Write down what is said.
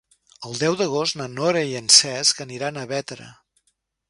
El deu d'agost na Nora i en Cesc aniran a Bétera.